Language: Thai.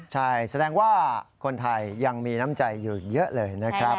ใช่แสดงว่าคนไทยยังมีน้ำใจอยู่เยอะเลยนะครับ